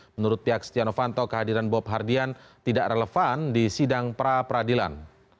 menurut pihak setia novanto kehadiran bob hardian tidak relevan di sidang pra peradilan